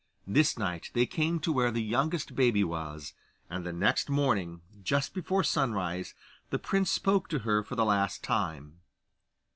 This night they came to where the youngest baby was, and the next morning, just before sunrise, the prince spoke to her for the last time.